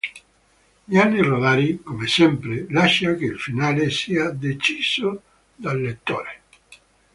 Gianni Rodari, come sempre, lascia che il finale sia deciso dal lettore.